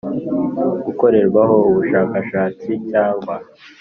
Gukorerwaho Ubushakashatsi Cyangwa